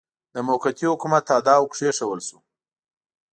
د موقتي حکومت تاداو کښېښودل شو.